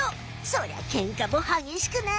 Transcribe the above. そりゃケンカもはげしくなるね。